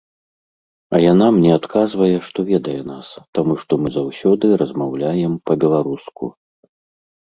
А яна мне адказвае, што ведае нас, таму што мы заўсёды размаўляем па-беларуску.